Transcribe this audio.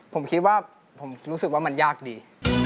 ผมคิดว่าผมรู้สึกว่ามันยากดี